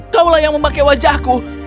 kau yang memakai wajahku